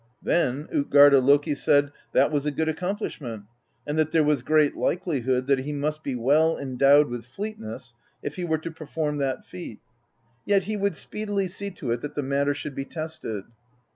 Then tltgarda Loki said that that was a good ac complishment, and that there was great likelihood that he must be well endowed with fleetness if he were to perform that feat; yet he would speedily see to it that the matter should be tested.